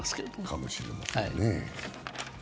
かもしれませんね。